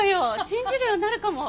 信じるようになるかも！